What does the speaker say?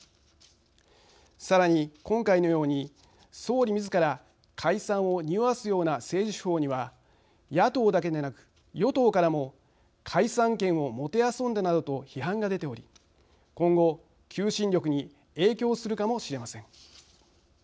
さらに今回のように総理みずから解散をにおわすような政治手法には野党だけでなく与党からも解散権をもてあそんだなどと批判が出ており今後、求心力に影響するかもしれません。